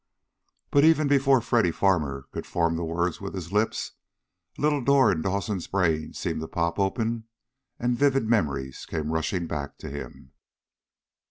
But even before Freddy Farmer could form the words with his lips, a little door in Dawson's brain seemed to pop open and vivid memory came rushing back to him.